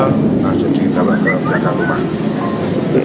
langsung ditambah ke rumah